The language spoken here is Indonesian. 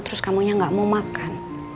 terus kamu nya gak mau makan